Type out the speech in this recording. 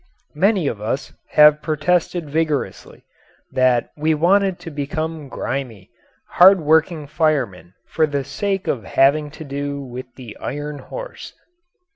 Many of us have protested vigorously that we wanted to become grimy, hard working firemen for the sake of having to do with the "iron horse."